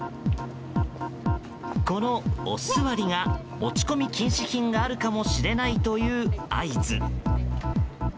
このおすわりが持ち込み禁止品があるかもしれないという合図。